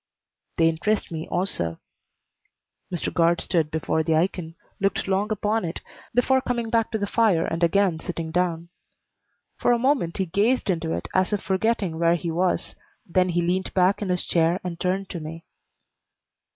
"They interest me, also." Mr. Guard stood before the ikon, looked long upon it before coming back to the fire and again sitting down. For a moment he gazed into it as if forgetting where he was, then he leaned back in his chair and turned to me.